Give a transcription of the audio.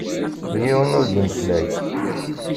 Yiwen ur d-imeslay.